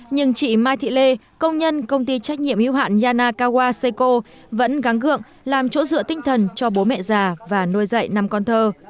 nhưng chị mai thị lê công nhân công ty trách nhiệm hiếu hạn yana kawaseko vẫn gắng gượng làm chỗ dựa tinh thần cho bố mẹ già và nuôi dạy năm con thơ